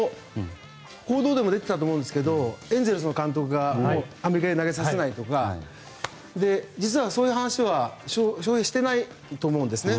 報道でも出ていたと思うんですがエンゼルスの監督がアメリカで投げさせないとか実はそういう話は翔平はしてないと思うんですね。